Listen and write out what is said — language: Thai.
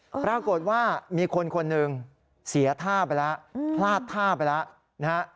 ปรากฏว่ามีคนคนหนึ่งเสียท่าไปแล้วพลาดท่าไปแล้วนะฮะ